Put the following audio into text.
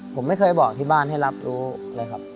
ผมไม่เคยบอกที่บ้านให้รับรู้เลยครับ